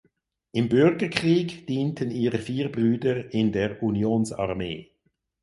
Im Bürgerkrieg dienten ihre vier Brüder in der Unionsarmee.